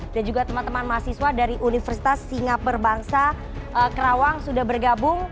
dan juga teman teman mahasiswa dari universitas singaper bangsa kerawang sudah bergabung